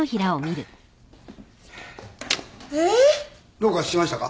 どうかしましたか？